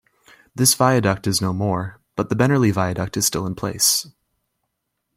This viaduct is no more, but the Bennerley Viaduct is still in place.